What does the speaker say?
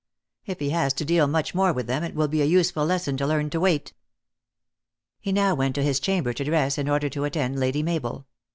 If he has to deal much more with them, it will be a useful lesson to learn to wait." He now went to his chamber to dress in order to attend Lady Mabel.